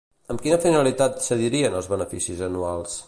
Amb quina finalitat cedirien els beneficis anuals?